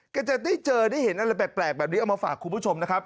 จะได้เจอได้เห็นอะไรแปลกแบบนี้เอามาฝากคุณผู้ชมนะครับ